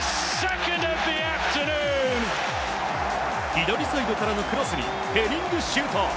左サイドからのクロスにヘディングシュート！